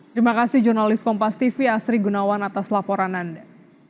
terima kasih jurnalis kompas tv asri gunawan atas laporan anda